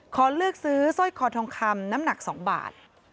ขอเลือกซื้อสร้อยคอทองคำน้ำหนัก๒บาท